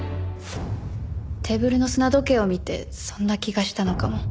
テーブルの砂時計を見てそんな気がしたのかも。